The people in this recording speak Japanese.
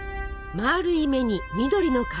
まるい目に緑の体。